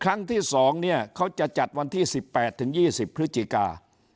วันที่สิบแปดถึงยี่สิบพฤศจิกา